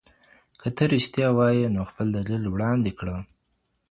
که ته ریښتیا وایې نو خپل دلیل وړاندي کړه.